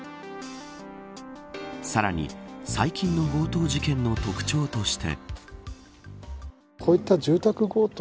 さらに最近の強盗事件の特徴として。